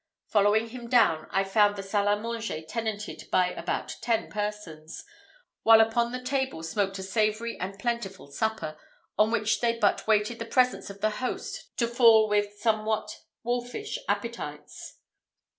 Following him down, I found the salle à manger tenanted by about ten persons, while upon the table smoked a savoury and plentiful supper, on which they but waited the presence of the host to fall with somewhat wolfish appetites.